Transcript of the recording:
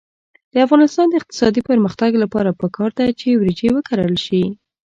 د افغانستان د اقتصادي پرمختګ لپاره پکار ده چې وریجې وکرل شي.